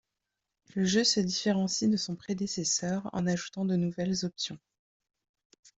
Le jeu se différencie de son prédécesseur en ajoutant de nouvelles options.